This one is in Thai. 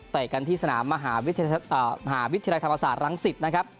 กันที่สนามมหาวิทยาลัยธรรมศาสตรังสิตนะครับ